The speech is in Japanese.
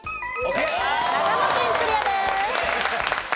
長野県クリアです。